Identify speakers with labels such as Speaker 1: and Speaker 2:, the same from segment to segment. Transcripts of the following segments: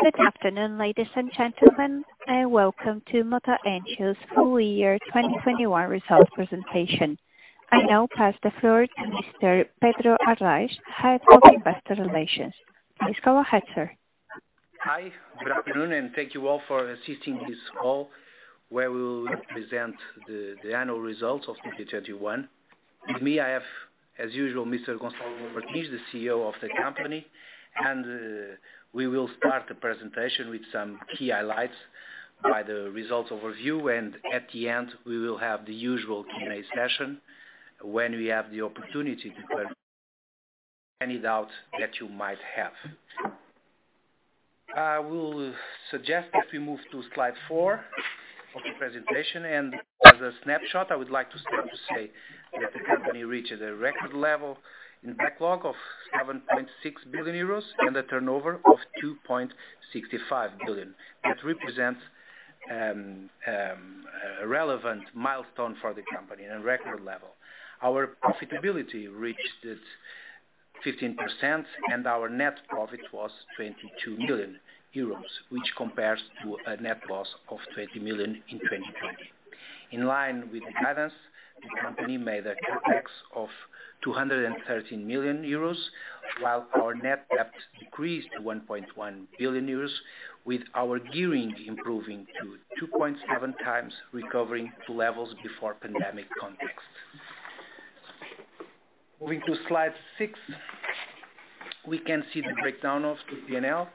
Speaker 1: Good afternoon, ladies and gentlemen, and welcome to Mota-Engil's full year 2021 results presentation. I now pass the floor to Mr. Pedro Arrais, Head of Investor Relations. Please go ahead, sir.
Speaker 2: Hi, good afternoon, and thank you all for assisting this call where we will present the annual results of 2021. With me, I have, as usual, Mr. Gonçalo Martins, the CEO of the company. We will start the presentation with some key highlights by the results overview, and at the end, we will have the usual Q&A session when we have the opportunity to clear any doubt that you might have. I will suggest that we move to slide four of the presentation. As a snapshot, I would like to start to say that the company reaches a record level in backlog of 7.6 billion euros and a turnover of 2.65 billion. That represents a relevant milestone for the company in a record level. Our profitability reached 15%, and our net profit was 22 million euros, which compares to a net loss of 20 million in 2020. In line with the guidance, the company made a CapEx of 213 million euros, while our net debt decreased to 1.1 billion euros, with our gearing improving to 2.7x, recovering to levels before pandemic context. Moving to slide six, we can see the breakdown of the P&L.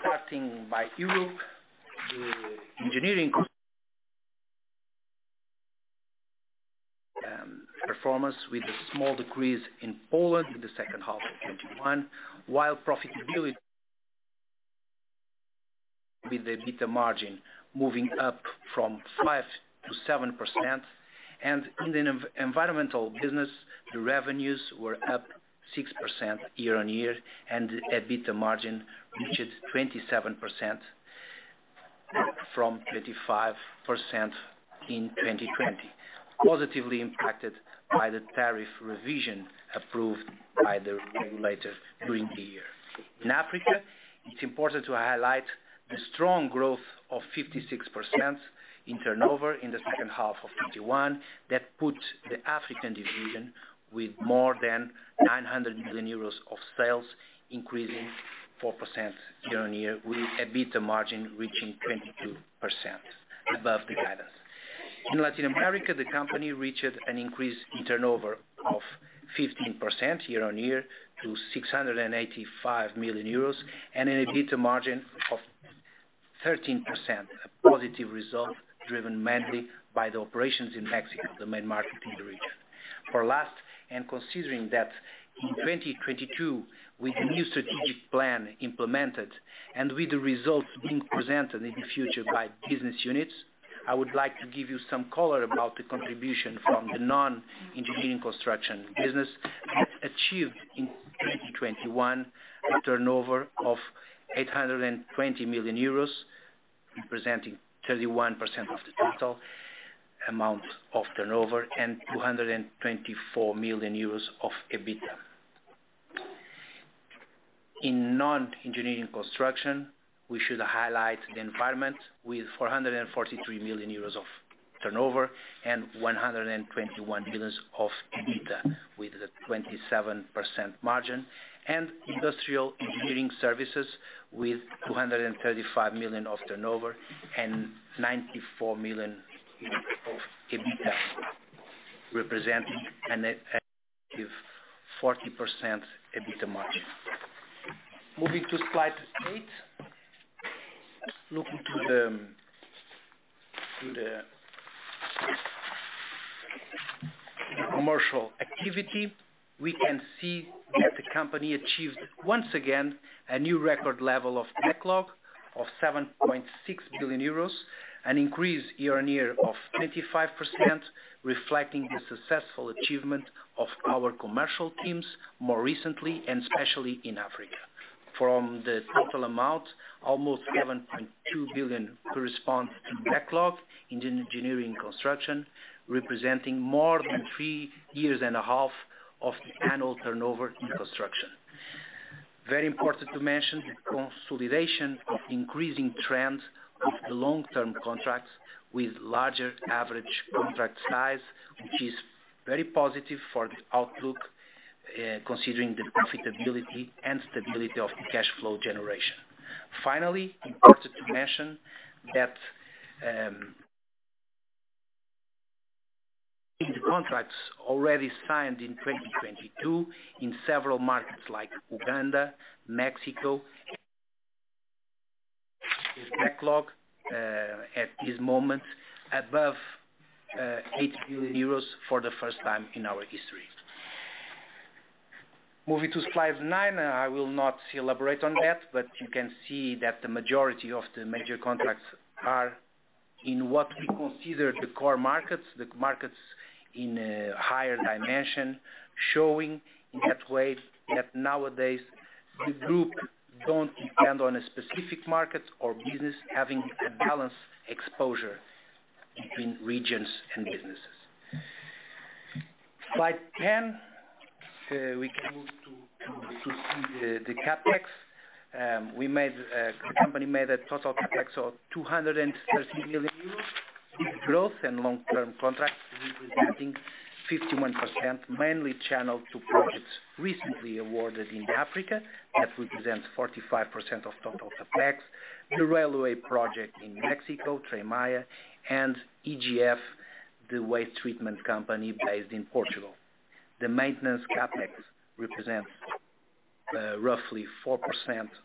Speaker 2: Starting by Europe, the engineering performance with a small decrease in Poland in the second half of 2021, while profitability with the EBITDA margin moving up from 5%-7%. In the environmental business, the revenues were up 6% year-on-year, and EBITDA margin reached 27% from 25% in 2020, positively impacted by the tariff revision approved by the regulator during the year. In Africa, it's important to highlight the strong growth of 56% in turnover in the second half of 2021. That put the African division with more than 900 million euros of sales, increasing 4% year-on-year, with EBITDA margin reaching 22% above the guidance. In Latin America, the company reached an increase in turnover of 15% year-on-year to 685 million euros and an EBITDA margin of 13%, a positive result driven mainly by the operations in Mexico, the main market in the region. For last, considering that in 2022, with the new strategic plan implemented and with the results being presented in the future by business units, I would like to give you some color about the contribution from the non-engineering construction business that achieved in 2021 a turnover of 820 million euros, representing 31% of the total amount of turnover and 224 million euros of EBITDA. In non-engineering construction, we should highlight the Environment with 443 million euros of turnover and 121 million of EBITDA, with the 27% margin, and industrial engineering services with 235 million of turnover and 94 million of EBITDA, representing a 40% EBITDA margin. Moving to slide eight, looking to the commercial activity, we can see that the company achieved once again a new record level of backlog of 7.6 billion euros, an increase year-over-year of 25%, reflecting the successful achievement of our commercial teams more recently and especially in Africa. From the total amount, almost 7.2 billion corresponds to backlog in engineering construction, representing more than three years and a half of the annual turnover in construction. Very important to mention the consolidation of increasing trends with the long-term contracts with larger average contract size, which is very positive for the outlook, considering the profitability and stability of the cash flow generation. Finally, important to mention that the contracts already signed in 2022 in several markets like Uganda, Mexico, this backlog at this moment above 8 billion euros for the first time in our history. Moving to slide nine, I will not elaborate on that, but you can see that the majority of the major contracts are in what we consider the core markets, the markets in a higher dimension, showing in that way that nowadays the group don't depend on a specific market or business having a balanced exposure between regions and businesses. Slide 10, we can move to see the CapEx. We made company made a total CapEx of 230 million euros with growth and long-term contracts representing 51% mainly channeled to projects recently awarded in Africa. That represents 45% of total CapEx. The railway project in Mexico, Tren Maya, and EGF, the waste treatment company based in Portugal. The maintenance CapEx represents roughly 4%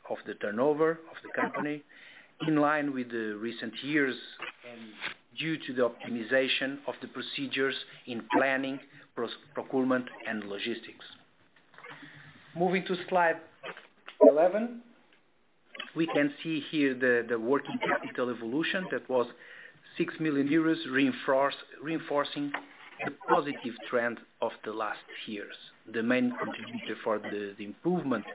Speaker 2: of the turnover of the company, in line with the recent years and due to the optimization of the procedures in planning, procurement and logistics. Moving to slide 11, we can see here the working capital evolution that was 6 million euros reinforcing the positive trend of the last years. The main contributor for the improvement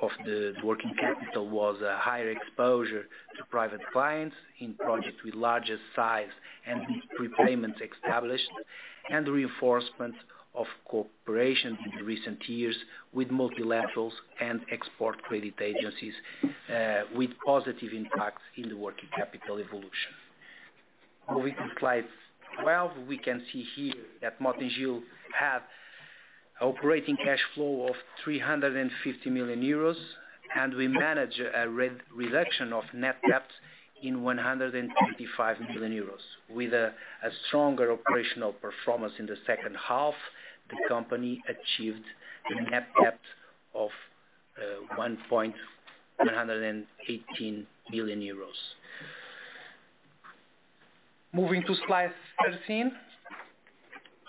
Speaker 2: of the working capital was a higher exposure to private clients in projects with larger size and prepayments established, and the reinforcement of cooperation in recent years with multilaterals and export credit agencies, with positive impacts in the working capital evolution. Moving to slide 12, we can see here that Mota-Engil had operating cash flow of 350 million euros, and we managed a reduction of net debt in 185 million euros. With stronger operational performance in the second half, the company achieved a net debt of EUR 1.118 million. Moving to slide 13,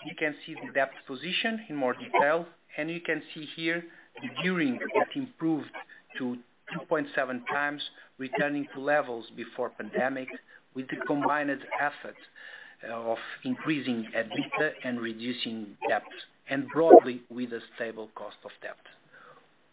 Speaker 2: you can see the debt position in more detail, and you can see here the gearing has improved to 2.7x, returning to levels before pandemic, with the combined effort of increasing EBITDA and reducing debt, and broadly with a stable cost of debt.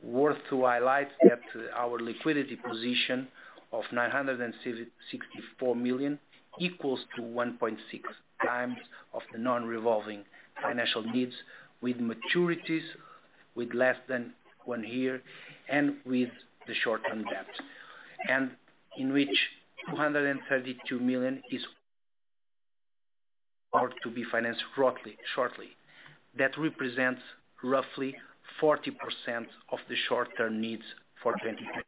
Speaker 2: Worth to highlight that our liquidity position of 964 million equals to 1.6x of the non-revolving financial needs with maturities with less than one year and with the short-term debt. In which 232 million is to be financed broadly, shortly. That represents roughly 40% of the short-term needs for 2023,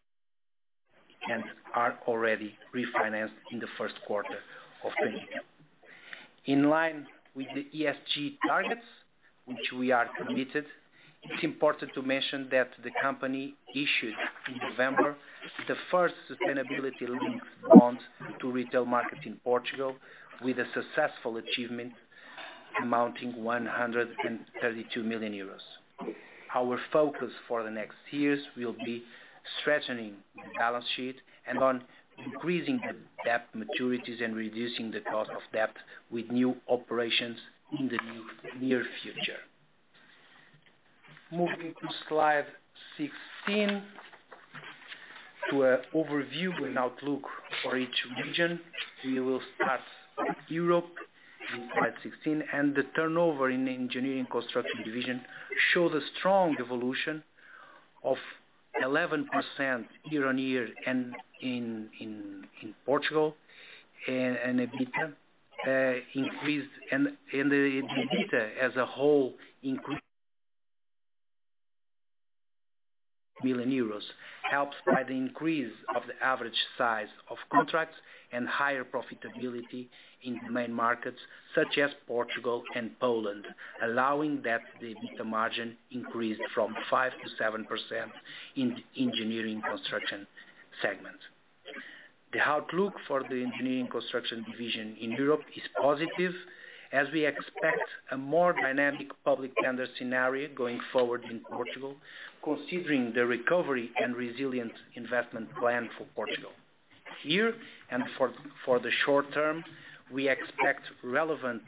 Speaker 2: and are already refinanced in the first quarter of the year. In line with the ESG targets which we are committed, it's important to mention that the company issued in November the first sustainability-linked bond to retail market in Portugal with a successful achievement amounting 132 million euros. Our focus for the next years will be strengthening the balance sheet and on increasing the debt maturities and reducing the cost of debt with new operations in the near future. Moving to slide 16, to an overview and outlook for each region. We will start with Europe in slide 16, and the turnover in the engineering construction division shows a strong evolution of 11% year-on-year and in Portugal and EBITDA increased and the EBITDA as a whole increased million EUR, helped by the increase of the average size of contracts and higher profitability in the main markets such as Portugal and Poland, allowing that the EBITDA margin increased from 5%-7% in the engineering construction segment. The outlook for the engineering construction division in Europe is positive, as we expect a more dynamic public tender scenario going forward in Portugal, considering the Recovery and Resilience Plan for Portugal. For the short term, we expect relevant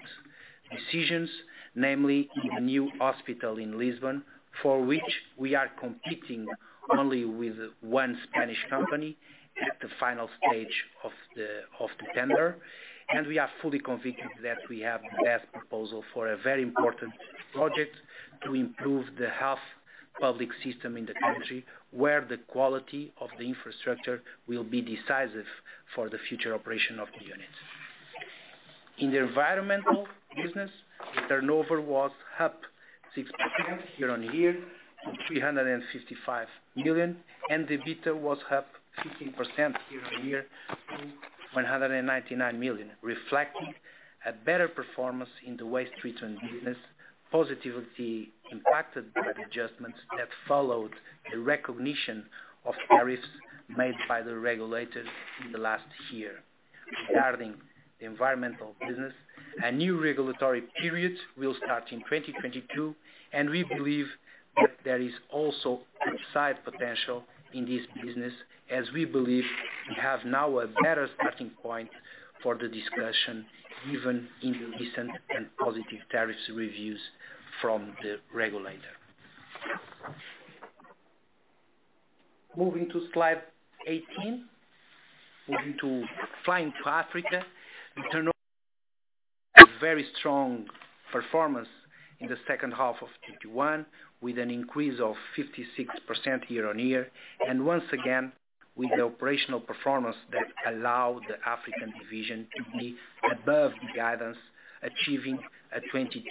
Speaker 2: decisions, namely the new hospital in Lisbon, for which we are competing only with one Spanish company at the final stage of the tender, and we are fully convinced that we have the best proposal for a very important project to improve the public health system in the country, where the quality of the infrastructure will be decisive for the future operation of the units. In the environmental business, the turnover was up 6% year-over-year to 355 million, and the EBITDA was up 15% year-over-year to 199 million, reflecting a better performance in the waste treatment business, positively impacted by the adjustments that followed the recognition of tariffs made by the regulators in the last year. Regarding the environmental business, a new regulatory period will start in 2022, and we believe that there is also upside potential in this business, as we believe we have now a better starting point for the discussion, given the recent and positive tariff reviews from the regulator. Moving to slide 18, turning to Africa. We turned in very strong performance in the second half of 2021 with an increase of 56% year-on-year, and once again with the operational performance that allowed the African division to be above the guidance, achieving a 22%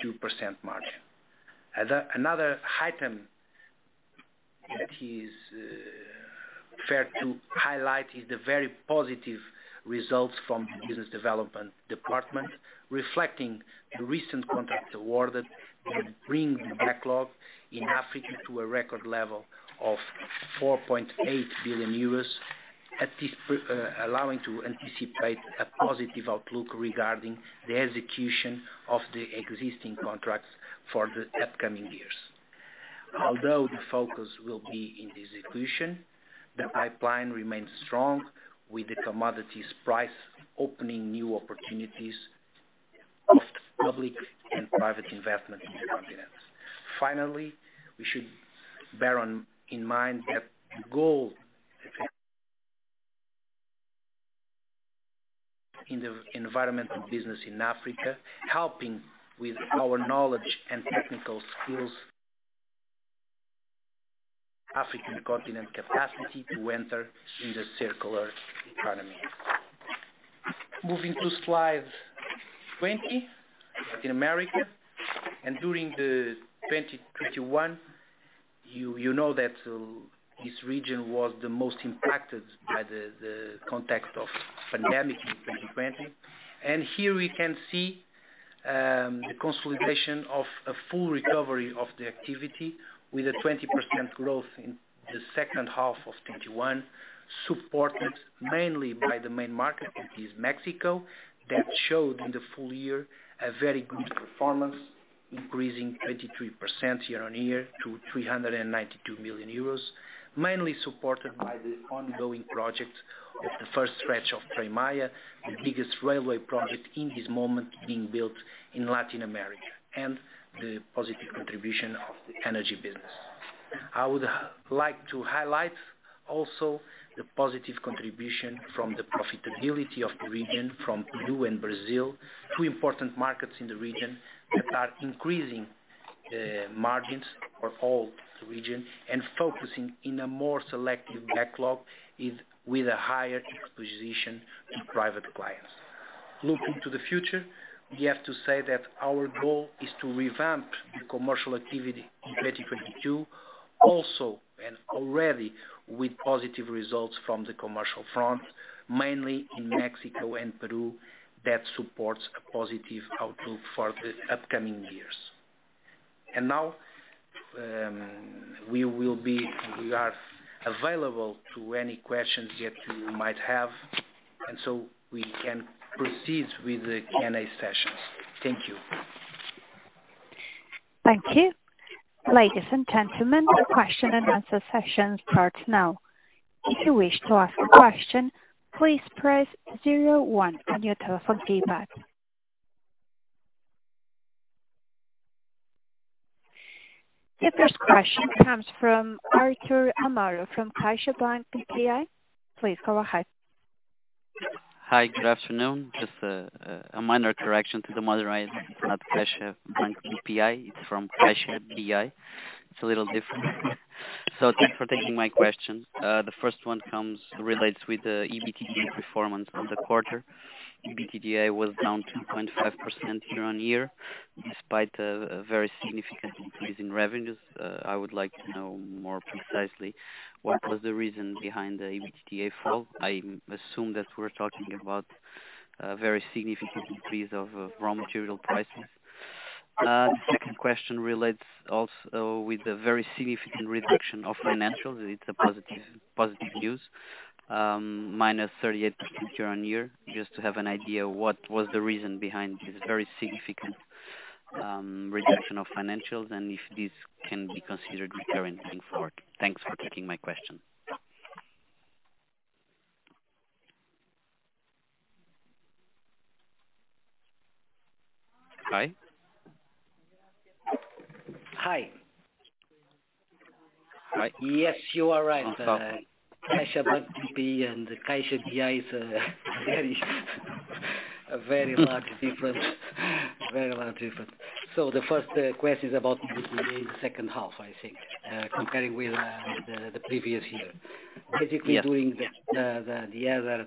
Speaker 2: margin. Another item that is fair to highlight is the very positive results from business development department, reflecting the recent contract awarded that brings the backlog in Africa to a record level of 4.8 billion euros at this, allowing to anticipate a positive outlook regarding the execution of the existing contracts for the upcoming years. Although the focus will be in the execution, the pipeline remains strong with the commodities price opening new opportunities of public and private investment in the continent. Finally, we should bear in mind that goal in the environmental business in Africa, helping with our knowledge and technical skills, African continent capacity to enter in the circular economy. Moving to slide 20, Latin America. During 2021, you know that this region was the most impacted by the context of pandemic in 2020. Here we can see the consolidation of a full recovery of the activity with a 20% growth in the second half of 2021, supported mainly by the main market, which is Mexico, that showed in the full year a very good performance, increasing 23% year-on-year to 392 million euros, mainly supported by the ongoing project of the first stretch of Tren Maya, the biggest railway project in this moment being built in Latin America, and the positive contribution of the energy business. I would like to highlight also the positive contribution from the profitability of the region from Peru and Brazil, two important markets in the region that are increasing margins for all the region and focusing in a more selective backlog with a higher exposure in private clients. Looking to the future, we have to say that our goal is to revamp the commercial activity in 2022, also and already with positive results from the commercial front, mainly in Mexico and Peru, that supports a positive outlook for the upcoming years. Now, we are available to any questions that you might have, and so we can proceed with the Q&A sessions. Thank you.
Speaker 1: Thank you. Ladies and gentlemen, the question-and-answer session starts now. The first question comes from Artur Amaro of CaixaBank BPI. Please go ahead.
Speaker 3: Hi. Good afternoon. Just a minor correction to the moderator. It's not CaixaBank BPI. It's from CaixaBI. It's a little different. So thanks for taking my question. The first one relates with the EBITDA performance of the quarter. EBITDA was down 2.5% year-on-year, despite a very significant increase in revenues. I would like to know more precisely what was the reason behind the EBITDA fall. I assume that we're talking about a very significant increase of raw material prices. The second question relates also with the very significant reduction of financials. It's a positive use, -38% year-on-year. Just to have an idea, what was the reason behind this very significant reduction of financials, and if this can be considered recurring going forward. Thanks for taking my question.
Speaker 2: Hi.
Speaker 4: Hi.
Speaker 2: Hi.
Speaker 4: Yes, you are right. CaixaBank BPI and CaixaBI is a very large difference. The first question is about the EBITDA in the second half, I think, comparing with the previous year.
Speaker 3: Yes.
Speaker 4: Basically doing the other.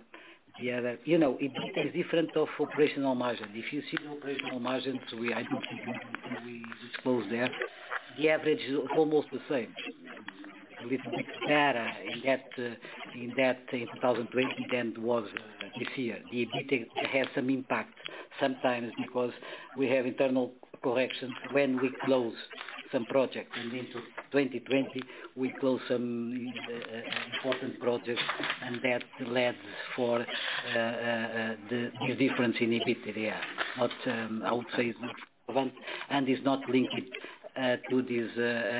Speaker 4: You know, EBITDA is different from operational margin. If you see the operational margins, we, I think we disclose there, the average is almost the same. A little bit better in that 2020 than it was this year. The EBITDA has some impact sometimes because we have internal corrections when we close some projects. In 2020, we closed some important projects, and that led to the difference in EBITDA. But I would say it's not relevant and it's not linked to this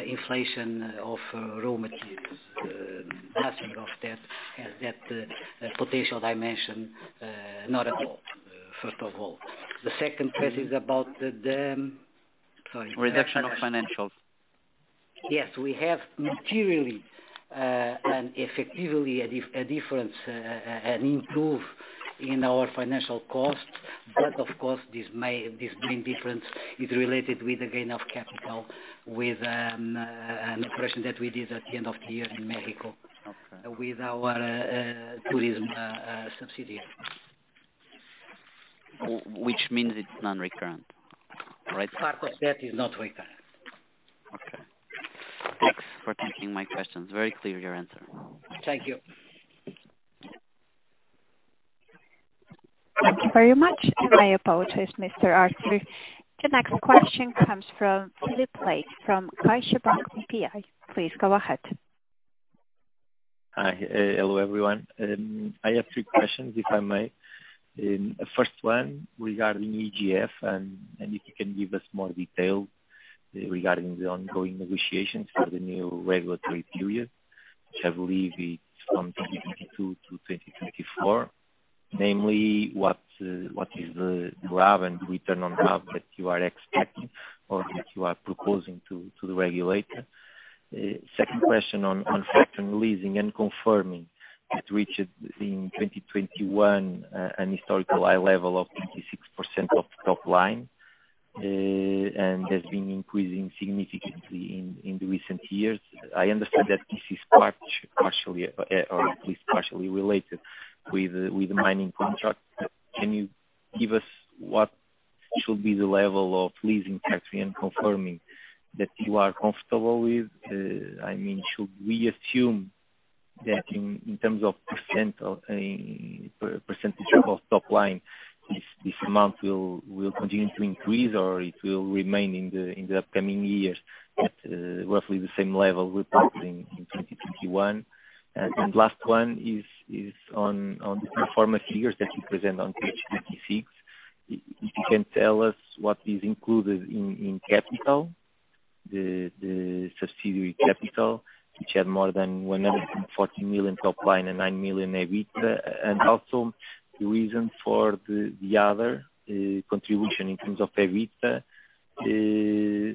Speaker 4: inflation of raw materials. Nothing of that potential dimension, not at all, first of all. The second question is about the.
Speaker 3: Sorry, reduction of financials.
Speaker 4: Yes, we have materially and effectively a difference, an improvement in our financial costs. Of course, this main difference is related with the capital gain with an operation that we did at the end of the year in Mexico.
Speaker 3: Okay.
Speaker 4: With our tourism subsidiary.
Speaker 3: Which means it's non-recurring, right?
Speaker 4: Part of that is not recurrent.
Speaker 3: Okay. Thanks for taking my questions. Very clear your answer.
Speaker 4: Thank you.
Speaker 1: Thank you very much, and I apologize, Mr. Artur. The next question comes from Filipe Leite, from CaixaBank BPI. Please go ahead.
Speaker 5: Hello, everyone. I have three questions, if I may. First one regarding EGF and if you can give us more detail regarding the ongoing negotiations for the new regulatory period, which I believe it's from 2022 to 2024. Namely, what is the RAB and return on RAB that you are expecting or that you are proposing to the regulator? Second question on factoring, leasing and confirming it reached in 2021 an historical high level of 26% of top line and has been increasing significantly in the recent years. I understand that this is partially or at least partially related with the mining contract. Can you give us what should be the level of leasing, factoring and confirming that you are comfortable with? I mean, should we assume that in terms of percentage of top line, this amount will continue to increase, or it will remain in the upcoming years at roughly the same level we passed in 2021? Last one is on the pro forma figures that you present on page 26. If you can tell us what is included in Capital, the subsidiary Capital, which had more than 140 million top line and 9 million EBIT. Also the reason for the other contribution in terms of EBIT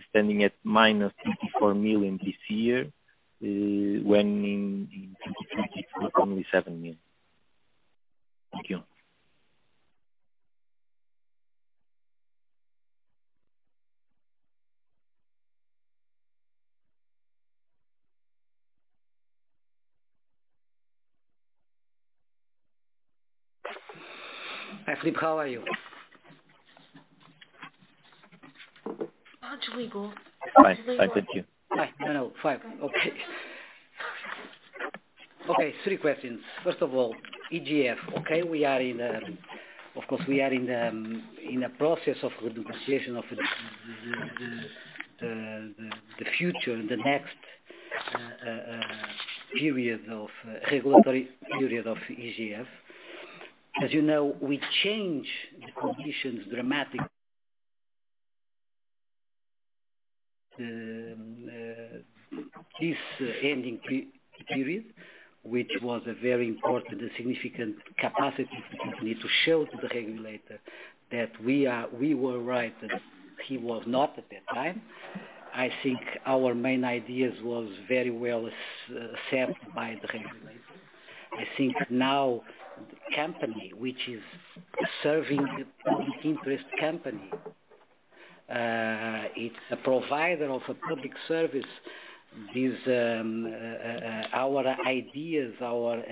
Speaker 5: standing at -54 million this year, when in 2020 it was only 7 million. Thank you.
Speaker 4: Hi, Filipe. How are you?
Speaker 1: Muito legal.
Speaker 5: Hi. Thank you.
Speaker 4: Hi. No, no, fine. Okay. Okay, three questions. First of all, EGF. Okay, we are in. Of course, we are in a process of renegotiation of the future, the next period of regulatory period of EGF. As you know, we changed the conditions dramatically, this ending period, which was a very important and significant capacity for the company to show to the regulator that we were right and he was not at that time. I think our main ideas was very well accepted by the regulator. I think now the company, which is serving the public interest company, it's a provider of a public service. These, our ideas, our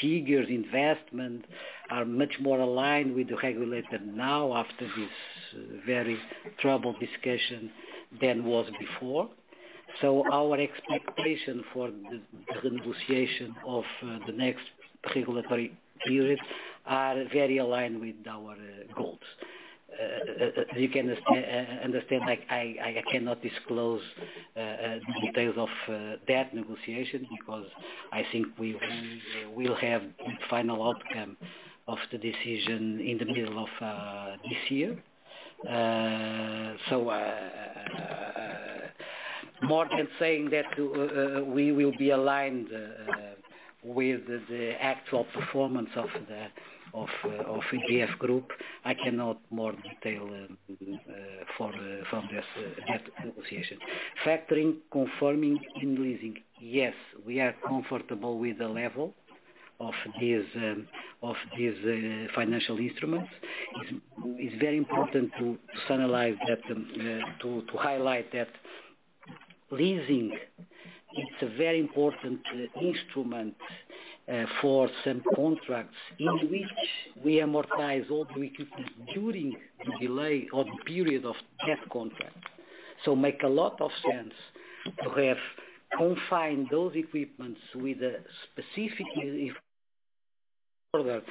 Speaker 4: figures, investment are much more aligned with the regulator now after this very troubled discussion than was before. Our expectation for the negotiation of the next regulatory period are very aligned with our goals. You can understand, I cannot disclose details of that negotiation because I think we'll have final outcome of the decision in the middle of this year. More than saying that, we will be aligned with the actual performance of the EGF Group, I cannot more detail from this negotiation. Factoring, confirming, and leasing. Yes, we are comfortable with the level of these financial instruments. It is very important to analyze that, to highlight that leasing is a very important instrument for some contracts in which we amortize all the equipment during the delay or the period of that contract. It makes a lot of sense to have financed the equipment with a specific financing in order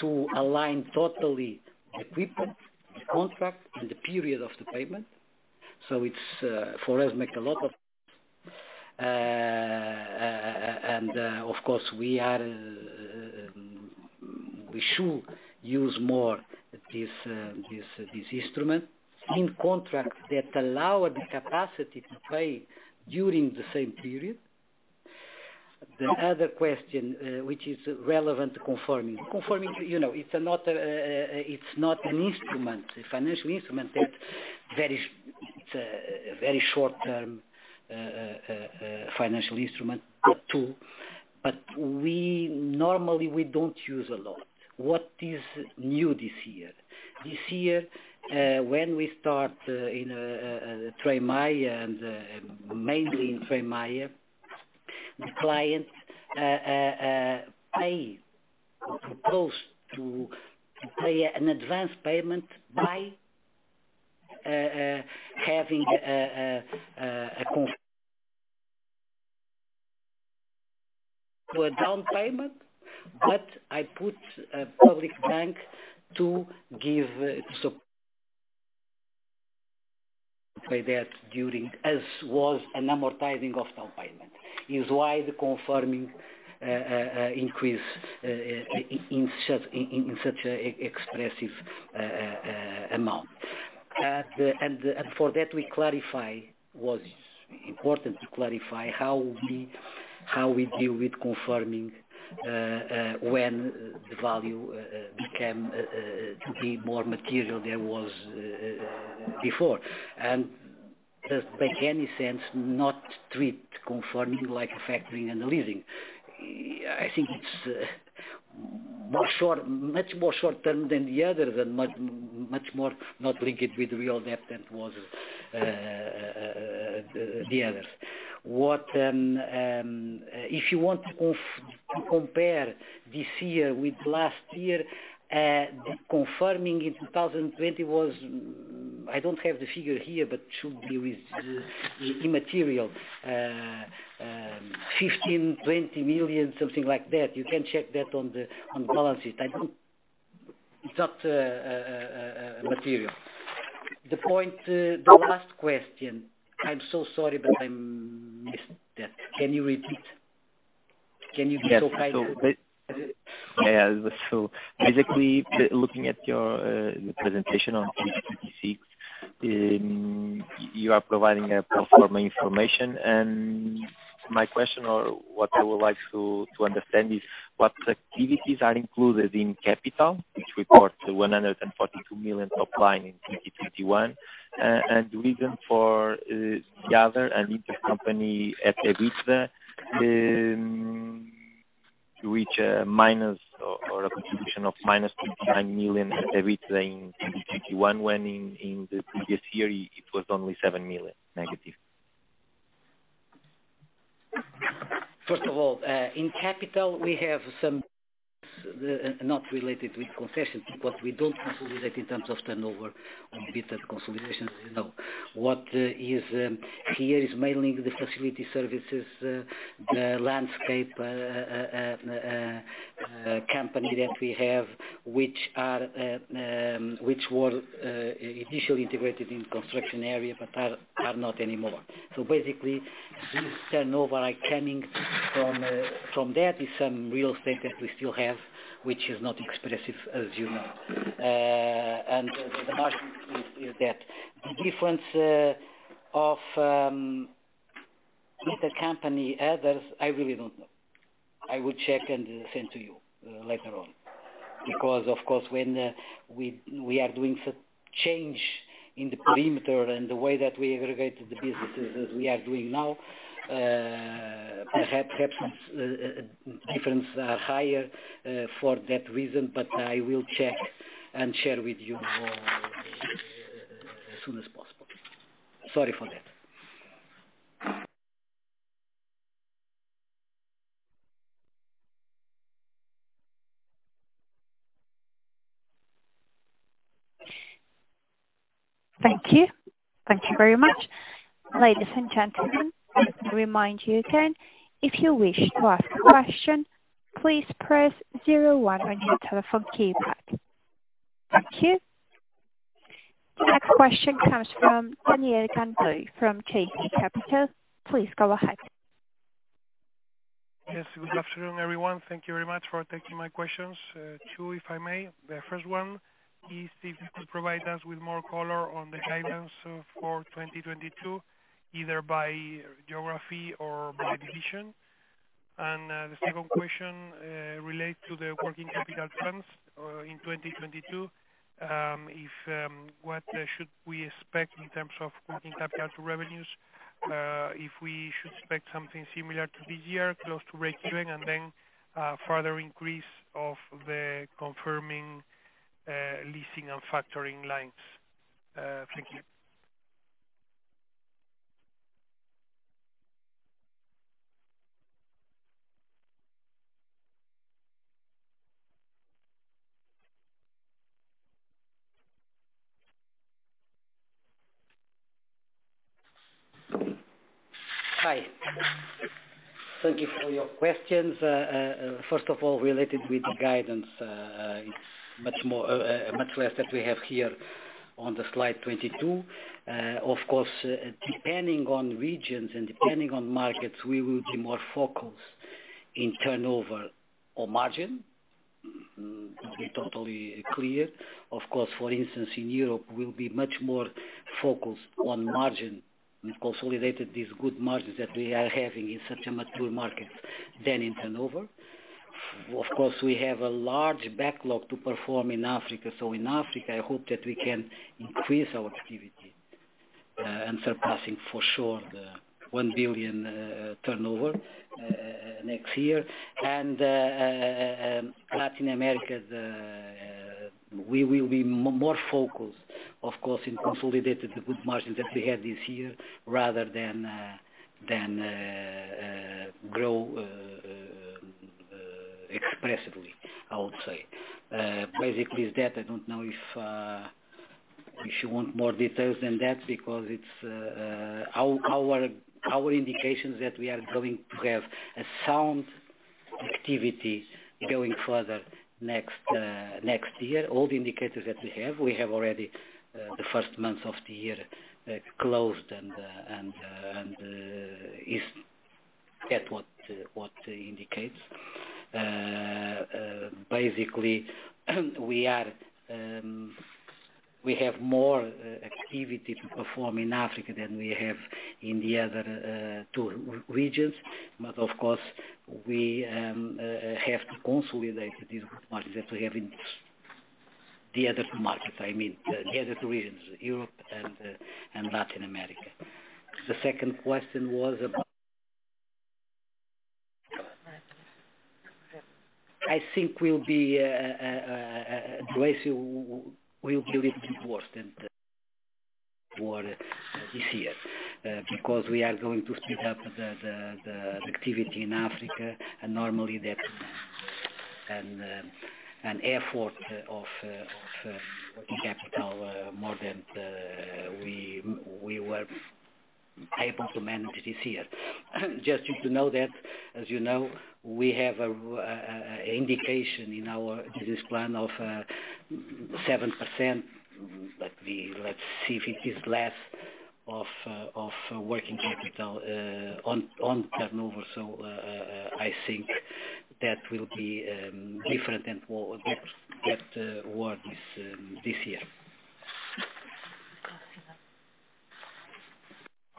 Speaker 4: to align the equipment, the contract and the period of the payment. It's for us, makes a lot of sense, and of course we should use more this instrument in contracts that allow the capacity to pay during the same period. The other question which is relevant to confirming. Confirming, you know, it's not an instrument, a financial instrument. It's a very short-term financial instrument. But we normally don't use a lot. What is new this year? This year, when we start in Tren Maya and mainly in Tren Maya, the client has to pay an advance payment by having a confirming to a down payment. I put a public bank to give support by that during as was an amortizing of down payment. That's why the confirming increase in such an expressive amount. For that, it was important to clarify how we deal with confirming when the value came to be more material than it was before. Does it make any sense not to treat confirming like factoring and leasing? I think it's much more short-term than the others, much more not linked with real debt than the others. What if you want to compare this year with last year, the confirming in 2020 was, I don't have the figure here, but should be immaterial, 15 million-20 million, something like that. You can check that on the balance sheet. I don't. It's not material. The point, the last question, I'm so sorry, but I missed that. Can you repeat? Can you be so kind to repeat?
Speaker 5: Basically looking at your presentation on page 56, you are providing pro forma information. My question or what I would like to understand is what activities are included in Capital, which we report to 142 million top line in 2021. The reason for the other and intercompany EBITDA to reach a contribution of -29 million EBITDA in 2021, when in the previous year it was only 7 million negative.
Speaker 4: First of all, in Capital we have some not related with concessions, but we don't consolidate in terms of turnover our bit of consolidations. What is here is mainly the facility services, the landscaping company that we have, which were initially integrated in construction area but are not anymore. Basically this turnover are coming from that is some real estate that we still have, which is not expressive as you know. The margin is that. The difference of intercompany and others, I really don't know. I will check and send to you later on because of course when we are doing some change in the perimeter and the way that we aggregate the businesses as we are doing now, perhaps difference are higher for that reason, but I will check and share with you more as soon as possible. Sorry for that.
Speaker 1: Thank you. Thank you very much. Ladies and gentlemen, let me remind you again, if you wish to ask a question, please press zero one on your telephone keypad. Thank you. The next question comes from Daniel Gandoy from JB Capital. Please go ahead.
Speaker 6: Yes. Good afternoon, everyone. Thank you very much for taking my questions. Two if I may. The first one is if you could provide us with more color on the guidance for 2022, either by geography or by division. The second question relates to the working capital trends in 2022. What should we expect in terms of working capital to revenues, if we should expect something similar to this year close to 80% and then further increase of the confirming, leasing and factoring lines. Thank you.
Speaker 4: Hi. Thank you for your questions. First of all, related with the guidance, it's much more, much less that we have here on the slide 22. Of course, depending on regions and depending on markets, we will be more focused in turnover or margin. To be totally clear. Of course, for instance, in Europe we'll be much more focused on margin. We've consolidated these good margins that we are having in such a mature market than in turnover. Of course, we have a large backlog to perform in Africa. In Africa, I hope that we can increase our activity, and surpassing for sure the 1 billion turnover next year. Latin America, we will be more focused, of course, in consolidated the good margins that we had this year rather than grow expressively, I would say. Basically, I don't know if you want more details than that because it's our indications that we are going to have a sound activity going further next year. All the indicators that we have, we have already the first months of the year closed. Is that what indicates. Basically, we have more activity to perform in Africa than we have in the other two regions. Of course, we have to consolidate these markets that we have in the other two markets. I mean, the other two regions, Europe and Latin America. The second question was about, I think, we'll be graceful. We'll be a little bit worse than for this year because we are going to speed up the activity in Africa. Normally that and an effort of working capital more than we were able to manage this year. Just to know that as you know, we have an indication in our business plan of 7%, but let's see if it is less of working capital on turnover. I think that will be different than what was this year.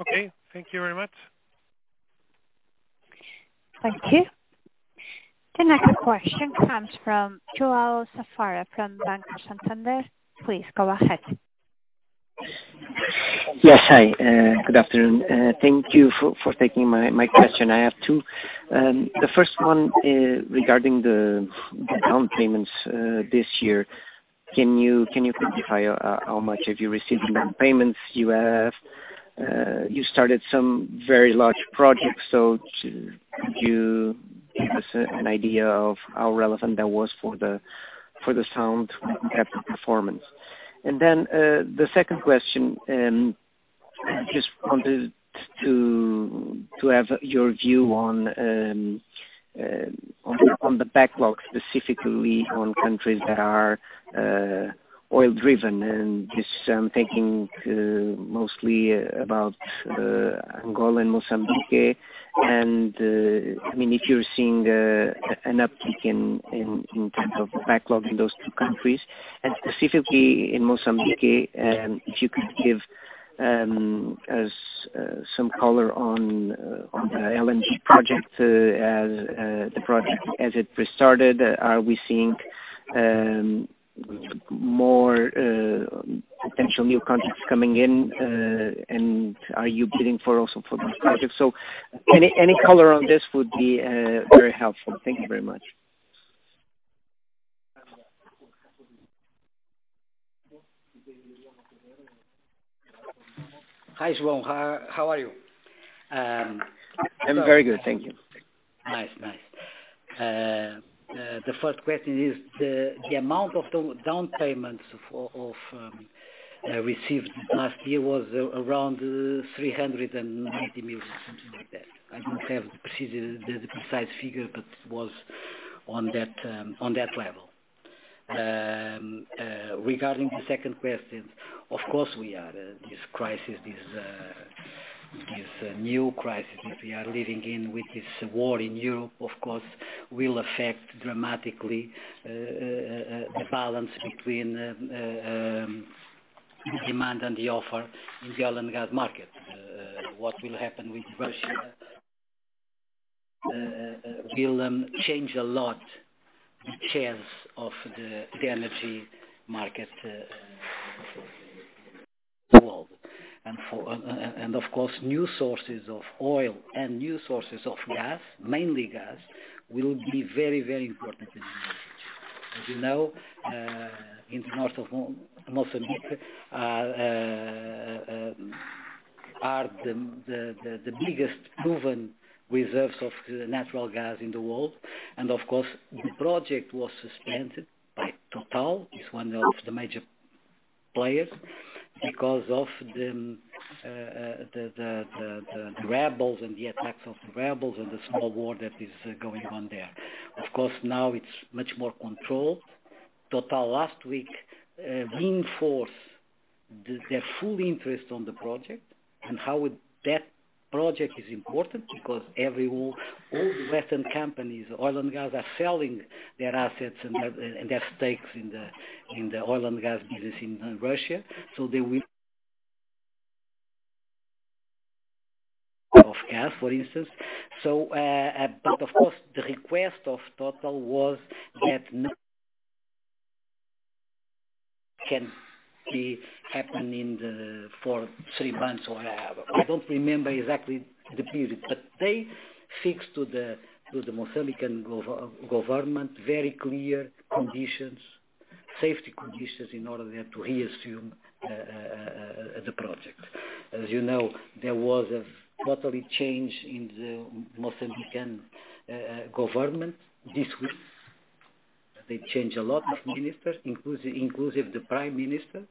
Speaker 6: Okay. Thank you very much.
Speaker 1: Thank you. The next question comes from João Safara from Banco Santander. Please go ahead.
Speaker 7: Yes. Hi. Good afternoon. Thank you for taking my question. I have two. The first one is regarding the down payments this year. Can you quantify how much have you received in down payments? You started some very large projects. So could you give us an idea of how relevant that was for the sound performance? Then the second question, just wanted to have your view on the backlog, specifically on countries that are oil driven. Just I'm thinking mostly about Angola and Mozambique. I mean, if you're seeing an uptick in terms of backlog in those two countries. Specifically in Mozambique, if you could give us some color on the LNG project as it restarted. Are we seeing more potential new contracts coming in? And are you bidding also for those projects? Any color on this would be very helpful. Thank you very much.
Speaker 4: Hi, João. How are you?
Speaker 7: I'm very good, thank you.
Speaker 4: Nice, nice. The first question is the amount of down payments received last year was around 380 million, something like that. I don't have the precise figure, but it was on that level. Regarding the second question, of course we are. This crisis, this new crisis that we are living in with this war in Europe, of course will affect dramatically the balance between the demand and the offer in the oil and gas market. What will happen with Russia will change a lot the shares of the energy market in the world. Of course, new sources of oil and new sources of gas, mainly gas, will be very, very important in the message. As you know, in the north of Mozambique are the biggest proven reserves of natural gas in the world. Of course, the project was suspended by Total. It's one of the major players because of the rebels and the attacks of the rebels and the small war that is going on there. Of course, now it's much more controlled. Total last week reinforced their full interest in the project and that project is important because all the Western companies, oil and gas, are selling their assets and their stakes in the oil and gas business in Russia. So they will be short of gas, for instance. But of course, the request of Total was that no incidents can happen in the area for three months or however. I don't remember exactly the period, but they fixed to the Mozambican government very clear conditions, safety conditions in order to resume the project. As you know, there was a total change in the Mozambican government. They changed a lot of ministers, including the Prime Minister,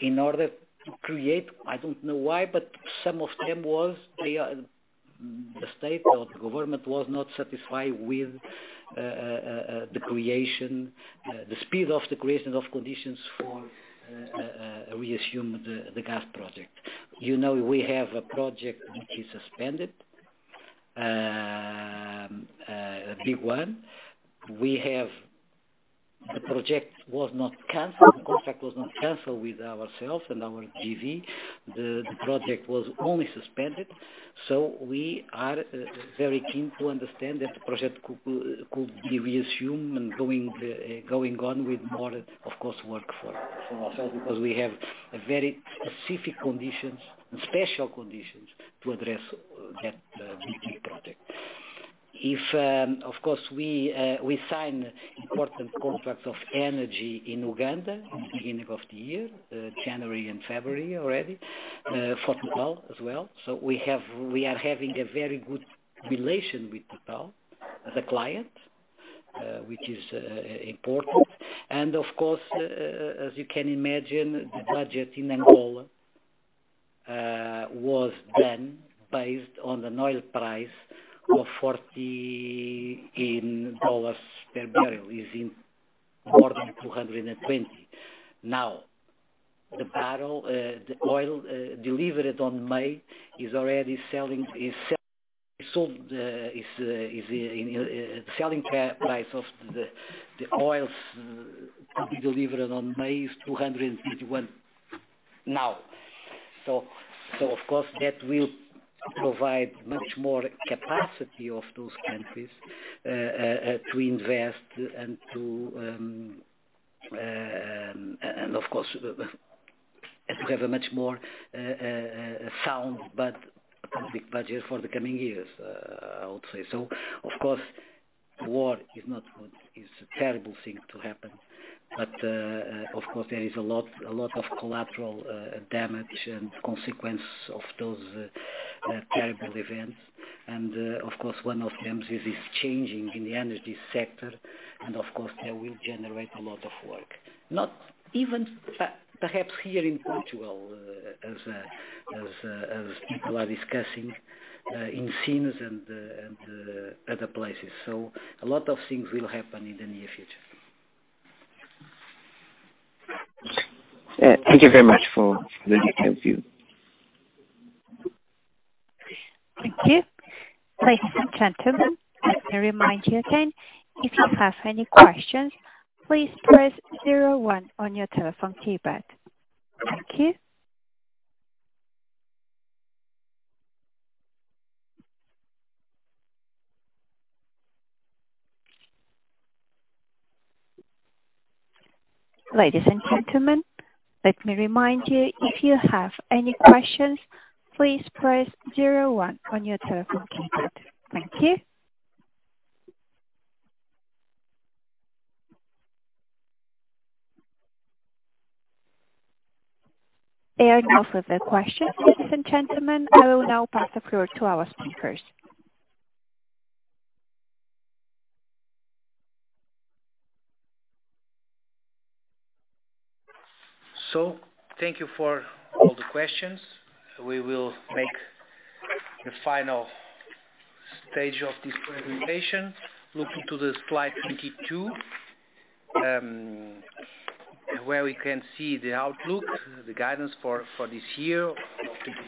Speaker 4: in order to create, I don't know why, but the state or the government was not satisfied with the speed of the creation of conditions to resume the gas project. You know, we have a project which is suspended. A big one. The project was not canceled. The contract was not canceled with ourselves and our JV. The project was only suspended. We are very keen to understand that the project could be resumed and going on with more, of course, work for ourselves because we have a very specific conditions and special conditions to address that big project. If of course we sign important contracts of energy in Uganda in the beginning of the year January and February already for Total as well. We are having a very good relation with Total as a client which is important. Of course as you can imagine, the budget in Angola was then based on an oil price of $40 per bbl, is in more than $220. Now, the barrel the oil delivered on May is already sold. Selling price of the oil to be delivered on May is $251 now. Of course that will provide much more capacity of those countries to invest and of course to have a much more sound public budget for the coming years, I would say. Of course, war is not good. It's a terrible thing to happen. Of course, there is a lot of collateral damage and consequence of those terrible events. Of course, one of them is this changing in the energy sector. Of course, that will generate a lot of work. Not even perhaps here in Portugal as people are discussing in scenes and other places. A lot of things will happen in the near future.
Speaker 7: Thank you very much for the detailed view.
Speaker 1: Thank you. Ladies and gentlemen, let me remind you again, if you have any questions, please press zero one on your telephone keypad. Thank you. Ladies and gentlemen, let me remind you, if you have any questions, please press zero one on your telephone keypad. Thank you. There are no further questions. Ladies and gentlemen, I will now pass the floor to our speakers.
Speaker 4: Thank you for all the questions. We will make the final stage of this presentation. Looking to the slide 22, where we can see the outlook, the guidance for this year of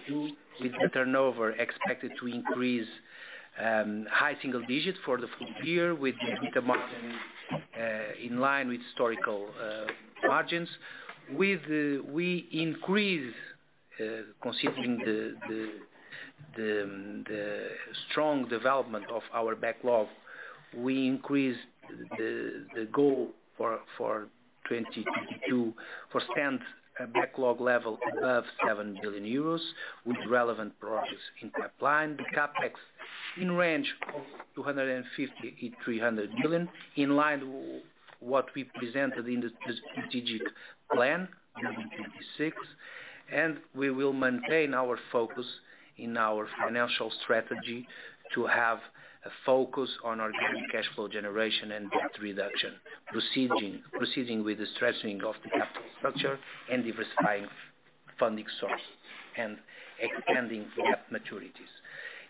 Speaker 4: 2022, with the turnover expected to increase high single digits for the full year with the EBITDA margin in line with historical margins. We increase considering the strong development of our backlog. We increased the goal for 2022 for standalone backlog level above 7 billion euros with relevant progress in pipeline. The CapEx in range of 250 million-300 million, in line with what we presented in the strategic plan, Building 26. We will maintain our focus in our financial strategy to have a focus on our ongoing cash flow generation and debt reduction. Proceeding with the strengthening of the capital structure and diversifying funding sources and extending debt maturities.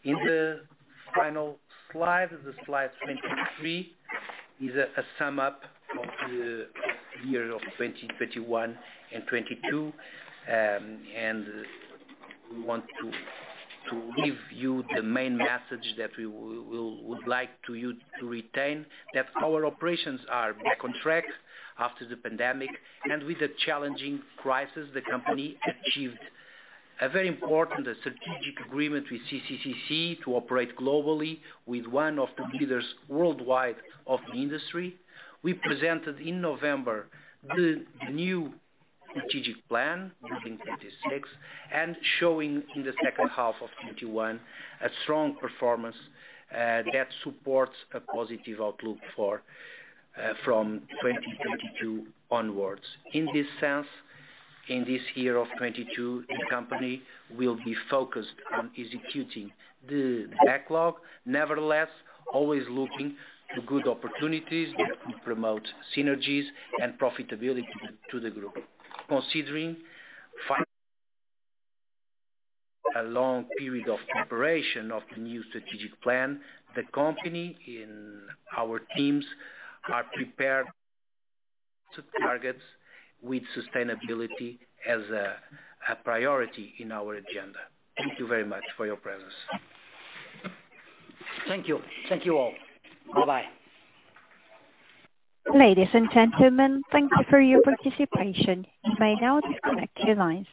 Speaker 4: In the final slide 23, is a sum up of the year of 2021 and 2022. And we want to give you the main message that we would like you to retain. That our operations are back on track after the pandemic, and with the challenging crisis, the company achieved a very important strategic agreement with CCCC to operate globally with one of the leaders worldwide of the industry. We presented in November the new strategic plan Building 26 and showing in the second half of 2021 a strong performance that supports a positive outlook from 2022 onwards. In this sense, in this year of 2022, the company will be focused on executing the backlog. Nevertheless, always looking to good opportunities that can promote synergies and profitability to the group. Considering, following a long period of preparation of the new strategic plan, the company and our teams are prepared to target sustainability as a priority in our agenda. Thank you very much for your presence. Thank you. Thank you all. Bye-bye.
Speaker 1: Ladies and gentlemen, thank you for your participation. You may now disconnect your lines.